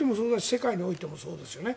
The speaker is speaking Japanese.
世界においてもそうですよね。